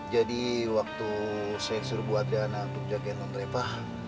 jadi waktu saya suruh bu adriana untuk jagain non reva